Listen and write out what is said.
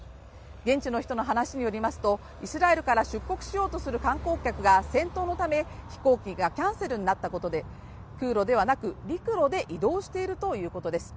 現地の人の話によりますと、イスラエルから出国しようとする観光客が戦闘のため、飛行機がキャンセルになったことで空路ではなく陸路で移動しているということです。